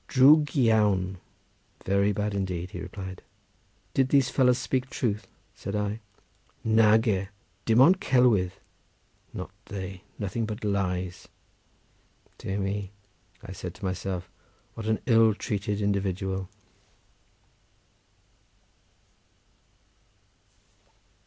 "Drwg iawn—very bad indeed," he replied. "Did those fellows speak truth?" said I. "Nage—Dim ond celwydd—not they! nothing but lies." "Dear me!" said I to myself, "what an ill treated individual!"